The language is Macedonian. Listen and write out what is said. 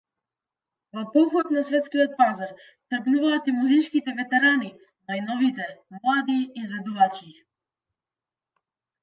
Во поход на светскиот пазар тргнуваат и музичките ветерани, но и новите, млади изведувачи.